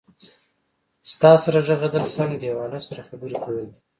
تا سره غږېدل سم دیواله سره خبرې کول دي.